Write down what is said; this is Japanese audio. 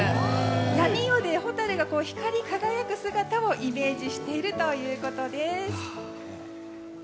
波夜で蛍が光り輝くイメージしているということです。